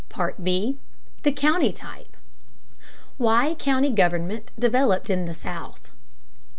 B. THE COUNTY TYPE 639. WHY COUNTY GOVERNMENT DEVELOPED IN THE SOUTH.